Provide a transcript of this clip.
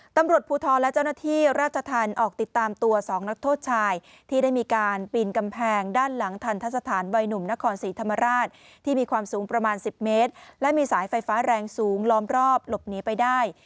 ตำรวจภูทรและเจ้าหน้าที่ราชธรรมออกติดตามตัว๒นักโทษชายที่ได้มีการปีนกำแพงด้านหลังทันทสถานวัยหนุ่มนครศรีธรรมราชที่มีความสูงประมาณ๑๐เมตรและมีสายไฟฟ้าแรงสูงล้อมรอบหลบหนีไปได้